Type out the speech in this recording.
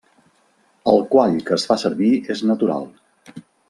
El quall que es fa servir és natural.